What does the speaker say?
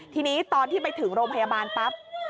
ทีนี้ตอนที่ไปถึงโรงพยาบาลปั๊บ